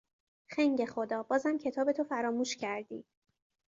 خنگ خدا! بازم کتابتو فراموش کردی!